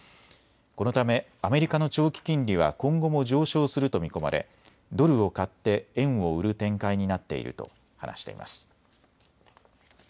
このためアメリカの長期金利は今後も上昇すると見込まれドルを買って円を売る展開になっていると話しています。